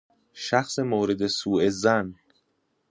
شخص مورد سوظن